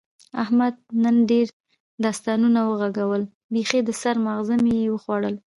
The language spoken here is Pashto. احمد نن ډېر داستانونه و غږول، بیخي د سر ماغز مې یې وخوړل.